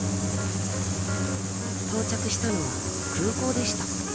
［到着したのは空港でした。